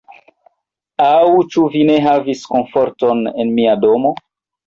Aŭ ĉu vi ne havis komforton en mia domo?